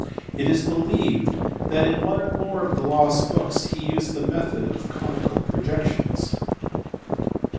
It is believed that in one or more of the lost books he used the method of conical projections.